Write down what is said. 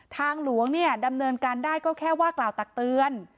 ทางหลวงเนี่ยดำเนินการได้ก็แค่ว่ากล่าวตักเตือน